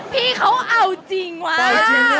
พี่เขาเอาจริงวะ